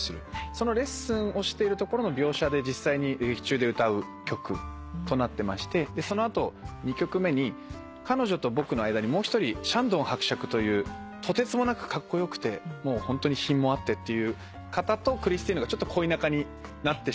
そのレッスンをしているところの描写で実際に劇中で歌う曲となってましてその後２曲目に彼女と僕の間にもう一人シャンドン伯爵というとてつもなくカッコ良くてホントに品もあってっていう方とクリスティーヌが恋仲になってしまって。